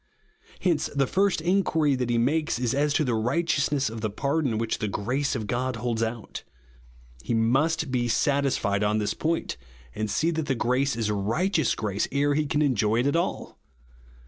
Hence the first inquiry that he makes is as to the righteousness of the pardon which the grace of God holds out. He must be satisfied on this point, and see that the grace is righteous grace, ere he can enjoy it at all.